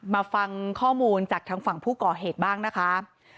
มาฟังข้อมูลจากทางฝั่งผู้ก่อเหตุบ้างนะคะ